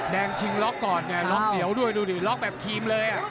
ชิงล็อกก่อนไงล็อกเหนียวด้วยดูดิล็อกแบบครีมเลย